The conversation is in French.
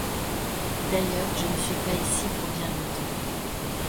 D'ailleurs, je ne suis pas ici pour bien longtemps.